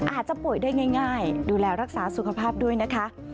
อาจจะป่วยได้ง่ายดูแลรักษาสุขภาพด้วยนะคะ